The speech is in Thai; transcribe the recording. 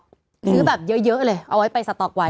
ซื้อแบบเยอะเลยเอาไว้ไปสต๊อกไว้